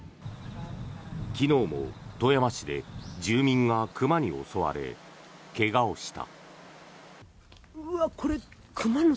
昨日も富山市で住民が熊に襲われ怪我をした。